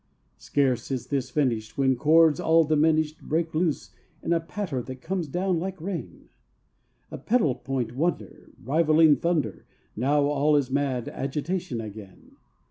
Scarce is this finished When chords all diminished Break loose in a patter that comes down like rain, A pedal point wonder Rivaling thunder. Now all is mad agitation again.